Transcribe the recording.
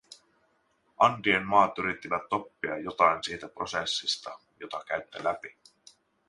Andien maat yrittävät oppia jotain siitä prosessista, jota käytte läpi.